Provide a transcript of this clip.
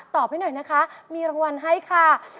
ให้หน่อยนะคะมีรางวัลให้ค่ะ